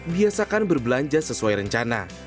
biasakan berbelanja sesuai rencana